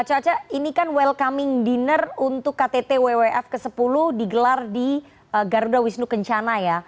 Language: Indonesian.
caca ini kan welcoming dinner untuk ktt wwf ke sepuluh digelar di garuda wisnu kencana ya